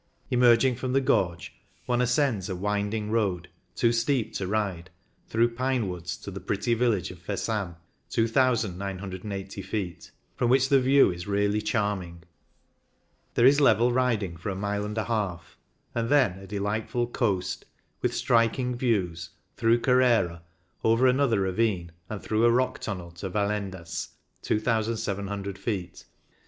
Emerging from the gorge, one ascends a winding road, too steep to ride, through pine woods, to the pretty village of Versam (2,980 ft.), from which the view is really charming. There is level riding for a mile and a half, and then" a delightful coast, with striking views, through Carrera, over another ravine and through a rock tunnel, to Valendas (2,700 ft.)